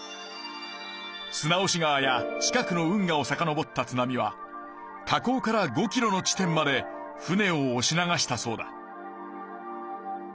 砂押川や近くの運河をさかのぼった津波は河口から５ｋｍの地点まで船を押し流したそうだ。